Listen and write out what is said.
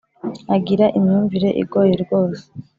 Agira imyumvire igoye rwose